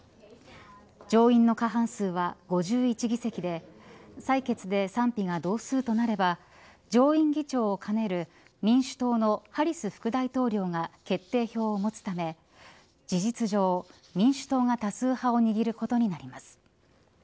上院の過半数は５１議席で採決で賛否が同数となれば上院議長をかねる、民主党のハリス副大統領が決定票を持つため事実上、民主党が多数派を握ることになります。